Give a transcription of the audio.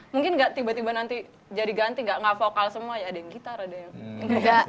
mungkin nggak tiba tiba nanti jadi ganti gak vokal semua ya ada yang gitar ada yang gagasan